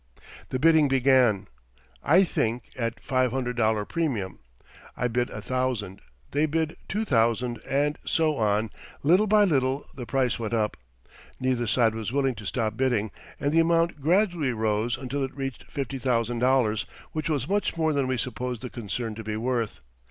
The bidding began, I think, at $500 premium. I bid a thousand; they bid two thousand; and so on, little by little, the price went up. Neither side was willing to stop bidding, and the amount gradually rose until it reached $50,000, which was much more than we supposed the concern to be worth.